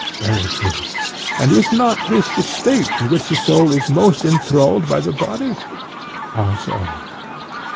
Very true. And is not this the state in which the soul is most enthralled by the body? How so?